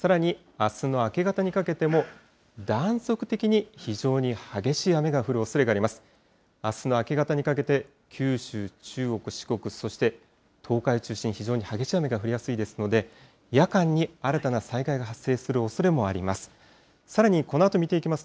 あすの明け方にかけて、九州、中国、四国、そして東海を中心に非常に激しい雨が降りやすいですので、夜間に新たな災害が発生するおそれもあります。